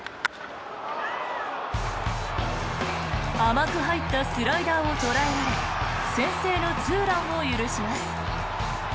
甘く入ったスライダーを捉えられ先制のツーランを許します。